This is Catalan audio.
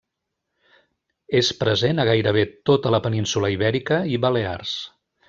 És present a gairebé tota la península Ibèrica i Balears.